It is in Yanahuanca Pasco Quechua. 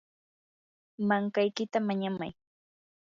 mankaykita mañamay.